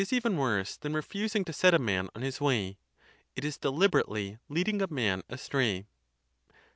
xiii worse than refusing to set a man on his way : it is dehberately leading a man astray."